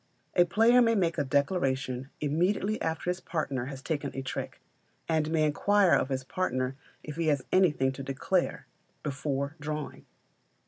A player may make a declaration immediately after his partner has taken a trick, and may inquire of his partner if he has anything to declare, before drawing.